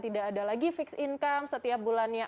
tidak ada lagi fixed income setiap bulannya